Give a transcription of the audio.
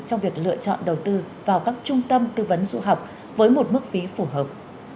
trong việc lựa chọn đầu tư vào các trung tâm tư vấn du học với một mức phí phù hợp